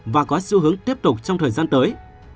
và có xu hướng tiếp tục trong thời gian tới